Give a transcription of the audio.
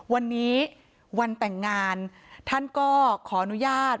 วันนี้วันแต่งงานท่านก็ขออนุญาต